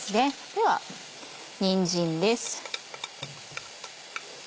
ではにんじんです。